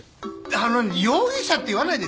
あのね容疑者って言わないで！